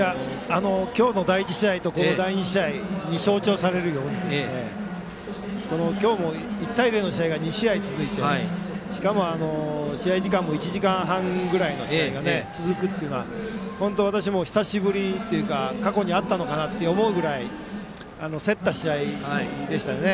今日の第１試合、第２試合に象徴されるように今日も１対０の試合が２試合続いてしかも、試合時間も１時間半ぐらいの試合が続くというのは私も久しぶりというか過去にあったのかなと思うくらい競った試合でしたよね。